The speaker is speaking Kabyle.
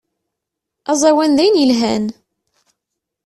Azawan dayen yelhan.